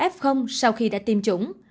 f sau khi đã tiêm chủng